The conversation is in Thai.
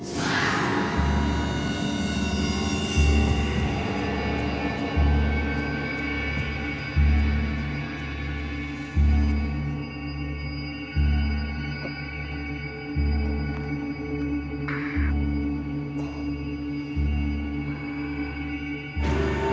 กลับมา